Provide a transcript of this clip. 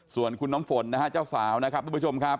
ส่วนคุณน้ำฝนนะฮะเจ้าสาวนะครับทุกผู้ชมครับ